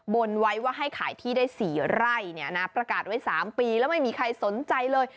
บนไว้ว่าให้ขายที่ได้๔ไร่เนี่ยนะประกาศไว้๓ปีแล้วไม่มีใครสนใจเลย